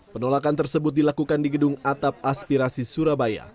penolakan tersebut dilakukan di gedung atap aspirasi surabaya